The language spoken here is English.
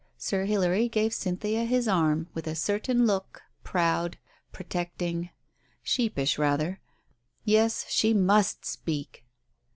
Sir Hilary gave Cynthia his arm, with a certain look ... proud ... protecting ... sheepish rather. ... Yes, she must speak.